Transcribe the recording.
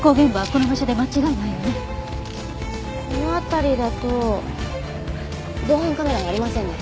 この辺りだと防犯カメラはありませんね。